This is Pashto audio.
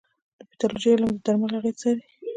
د پیتالوژي علم د درملو اغېز څاري.